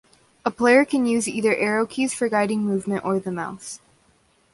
A player can use either arrow keys for guiding movement or the mouse.